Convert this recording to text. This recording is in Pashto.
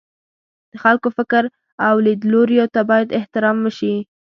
د خلکو فکر او لیدلوریو ته باید احترام وشي.